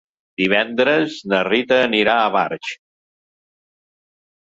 Divendres na Rita anirà a Barx.